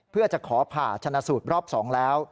เพื่อจะขอผ่าชนะสูตรรอบ๒แล้ว